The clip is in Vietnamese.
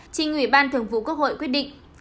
trình ủy ban thường vụ quốc hội quyết định